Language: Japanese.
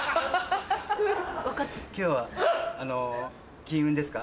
今日はあの金運ですか？